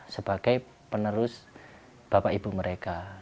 sebagai penerus bapak ibu mereka